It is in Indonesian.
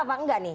atau enggak nih